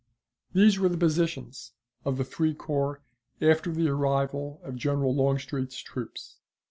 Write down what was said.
These were the positions of the three corps after the arrival of General Longstreet's troops.